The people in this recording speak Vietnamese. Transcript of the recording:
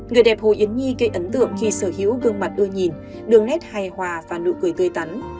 người đẹp hồ yến nhi gây ấn tượng khi sở hữu gương mặt ưa nhìn đường nét hài hòa và nụ cười tươi tắn